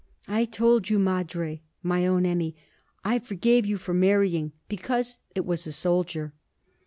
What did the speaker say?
I told you, madre, my own Emmy, I forgave you for marrying, because it was a soldier.'